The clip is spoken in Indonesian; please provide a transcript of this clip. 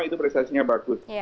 itu prestasinya bagus